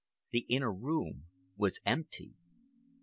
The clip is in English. The inner room was empty!